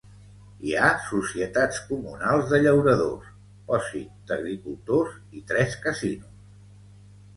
Hi ha Societats Comunals de Llauradors, Pòsit d'agricultors i tres casinos.